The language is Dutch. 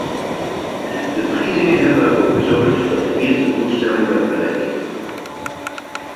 De verkiezingen hebben ervoor gezorgd dat de eerste doelstelling werd bereikt.